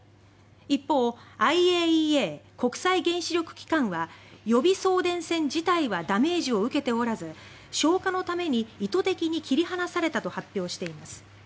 一方ＩＡＥＡ・国際原子力機関は予備送電線自体はダメージを受けておらず消火のために意図的に切り離されたと発表しています。